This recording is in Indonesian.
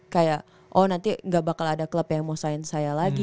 kayak oh nanti gak bakal ada klub yang mau sign saya lagi